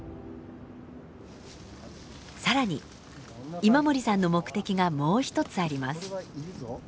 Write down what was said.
更に今森さんの目的がもう一つあります。